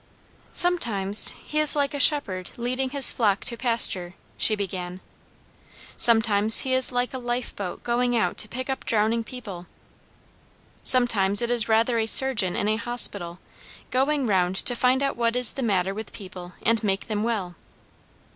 "Sometimes he is like a shepherd leading his flock to pasture," she began. "Sometimes he is like a lifeboat going out to pick up drowning people. Sometimes it is rather a surgeon in a hospital, going round to find out what is the matter with people and make them well.